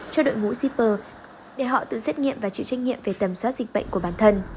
cho đội ngũ shipper để họ tự xét nghiệm và chịu trách nhiệm về tầm soát dịch bệnh của bản thân